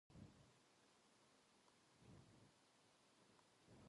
いつまでも君は美しいよ